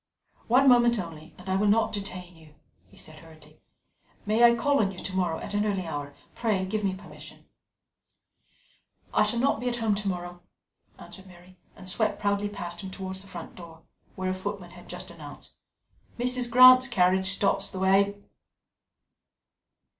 "One moment only, and I will not detain you," he said hurriedly. "May I call on you to morrow, at an early hour? Pray give me permission." "I shall not be at home to morrow," answered Mary, and swept proudly past him towards the front door, where a footman had just announced: "Mrs. Grant's carriage stops the way."